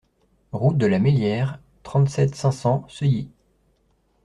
Route de la Mesliere, trente-sept, cinq cents Seuilly